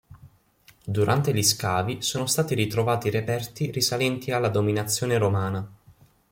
Durante gli scavi sono stati ritrovati reperti risalenti alla dominazione romana.